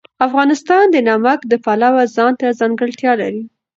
افغانستان د نمک د پلوه ځانته ځانګړتیا لري.